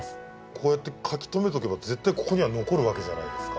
こうやって書き留めておけば絶対ここには残るわけじゃないですか。